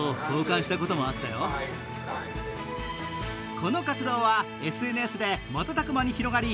この活動はＳＮＳで瞬く間に広がり